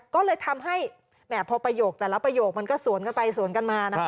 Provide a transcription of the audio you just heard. ก็เลยทำให้พอประโยคแต่ละประโยคมันก็สวนกันไปสวนกันมานะคะ